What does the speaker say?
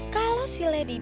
kalau si lady